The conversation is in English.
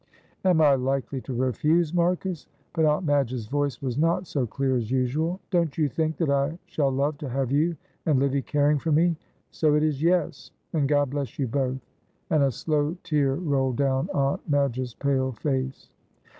"Am I likely to refuse, Marcus?" But Aunt Madge's voice was not so clear as usual. "Don't you think that I shall love to have you and Livy caring for me? so it is 'yes,' and God bless you both." And a slow tear rolled down Aunt Madge's pale face.